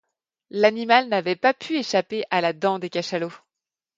L’animal n’avait pu échapper à la dent des cachalots.